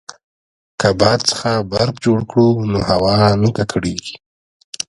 که باد څخه برق جوړ کړو نو هوا نه ککړیږي.